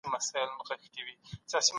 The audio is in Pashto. اوسني ځوانان د خپلو پلرونو فکري بهير لولي.